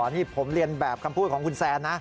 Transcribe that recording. นี่ผมเรียนแบบคำพูดของคุณแซนนะ